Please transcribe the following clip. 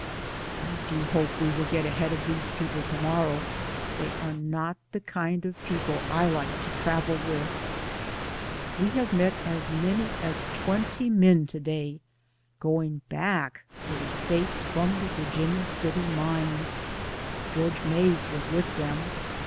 I do hope we will get ahead of these people to morrow. They are not the kind of people I like to travel with. We have met as many as twenty men to day going back to the States from the Vir ginia City mines. George Mays was with them.